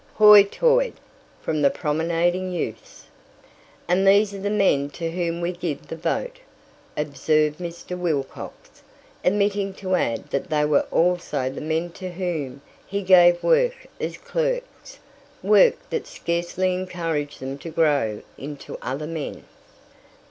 "Hoy toid" from the promenading youths. "And these are the men to whom we give the vote," observed Mr. Wilcox, omitting to add that they were also the men to whom he gave work as clerks work that scarcely encouraged them to grow into other men.